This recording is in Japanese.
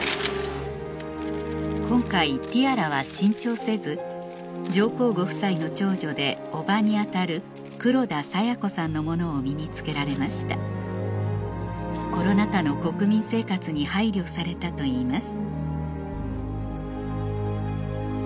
今回ティアラは新調せず上皇ご夫妻の長女で叔母にあたる黒田清子さんのものを身に着けられましたコロナ禍の国民生活に配慮されたといいます